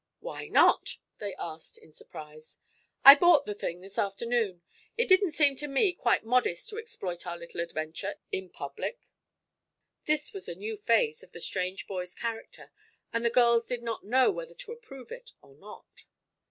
"Why not?" they asked, in surprise. "I bought the thing this afternoon. It didn't seem to me quite modest to exploit our little adventure in public." This was a new phase of the strange boy's character and the girls did not know whether to approve it or not.